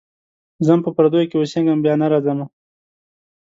ځم په پردیو کي اوسېږمه بیا نه راځمه.